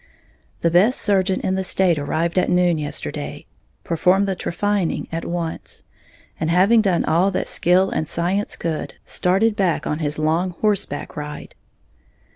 _ The best surgeon in the state arrived at noon yesterday, performed the trephining at once, and having done all that skill and science could, started back on his long horseback ride.